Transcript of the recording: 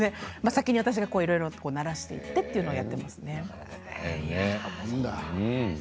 先に私が入って慣らしていってというのをやっていますね。